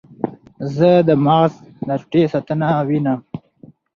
زه د مغز د ټوټې ساتنه وینم.